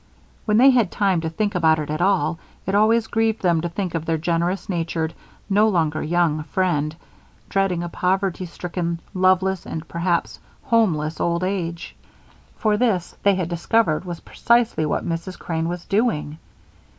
When they had time to think about it at all, it always grieved them to think of their generous natured, no longer young friend dreading a poverty stricken, loveless, and perhaps homeless old age; for this, they had discovered, was precisely what Mrs. Crane was doing.